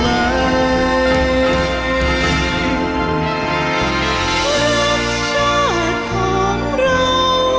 ชาติของเรา